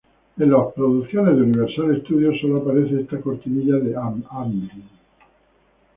En las producciones de Universal Studios sólo aparece esta cortinilla de Amblin.